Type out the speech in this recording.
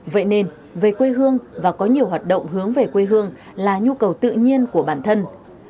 vậy nên về quê hương và có nhiều hoạt động hướng về quê hương là nhu cầu tự nhiên của bản thân